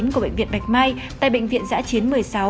của bệnh viện bạch mai tại bệnh viện giã chiến một mươi sáu